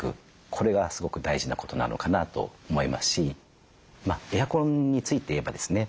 これがすごく大事なことなのかなと思いますしエアコンについて言えばですね